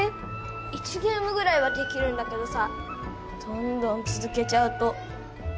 １ゲームぐらいはできるんだけどさどんどん続けちゃうと。